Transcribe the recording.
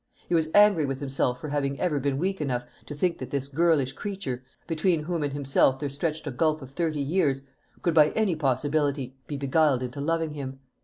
He was angry with himself for having ever been weak enough to think that this girlish creature between whom and himself there stretched a gulf of thirty years could by any possibility be beguiled into loving him.